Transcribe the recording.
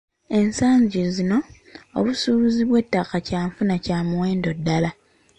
Ensangi zino obusuubuzi bw’ettaka kyanfuna kya muwendo ddala.